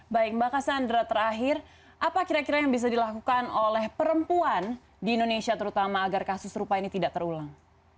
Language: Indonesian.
baik mbak cassandra terakhir apa kira kira yang bisa dilakukan oleh perempuan di indonesia terutama agar kasus serupa ini tidak terulang